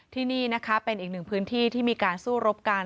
ที่นี่นะคะเป็นอีกหนึ่งพื้นที่ที่มีการสู้รบกัน